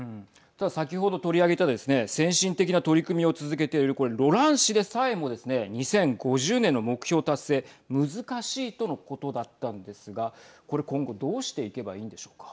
ただ先ほど取り上げたですね、先進的な取り組みを続けているこれロラン市でさえもですね２０５０年の目標達成難しいとのことだったんですがこれ、今後どうしていけばいいんでしょうか。